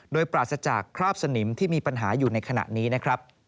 โดยปราศจากคราบสนิมที่มีปัญหาอยู่ในขณะนี้นะครับ